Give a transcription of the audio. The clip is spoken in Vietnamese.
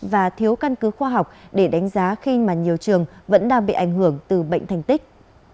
và thiếu căn cứ khoa học để đánh giá khi mà nhiều trường vẫn đang bị ảnh hưởng từ bệnh thành tích